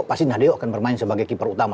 pasti nadeo akan bermain sebagai kipar utama